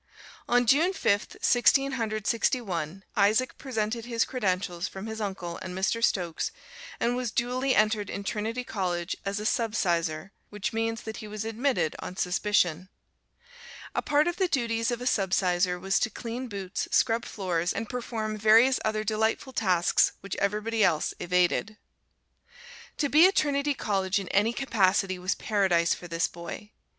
On June Fifth, Sixteen Hundred Sixty one, Isaac presented his credentials from his uncle and Mr. Stokes, and was duly entered in Trinity College as a subsizar, which means that he was admitted on suspicion. A part of the duties of a subsizar was to clean boots, scrub floors and perform various other delightful tasks which everybody else evaded. To be at Trinity College in any capacity was paradise for this boy.